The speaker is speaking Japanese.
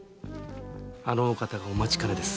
あのお方がお待ちかねです。